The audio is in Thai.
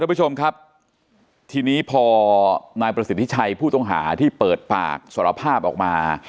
ผู้ชมครับทีนี้พอนายประสิทธิชัยผู้ต้องหาที่เปิดปากสารภาพออกมา